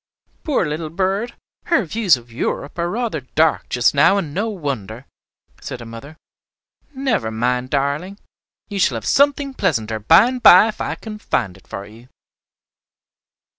"Poor little bird, her views of 'Europe' are rather dark just now, and no wonder," said her mother. "Never mind, darling, you shall have something pleasanter by and by if I can find it for you."